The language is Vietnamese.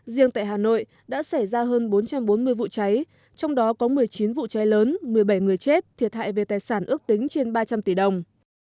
riêng tại hà nội đã xảy ra hơn bốn trăm bốn mươi vụ cháy trong đó có một mươi chín vụ cháy lớn một mươi bảy người chết thiệt hại về tài sản ước tính trên ba trăm linh tỷ đồng